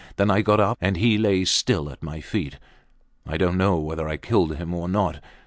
Then I got up, and he lay still at my feet. I dont know whether I had killed him or not.